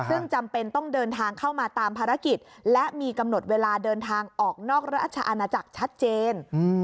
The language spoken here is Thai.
ซึ่งจำเป็นต้องเดินทางเข้ามาตามภารกิจและมีกำหนดเวลาเดินทางออกนอกราชอาณาจักรชัดเจน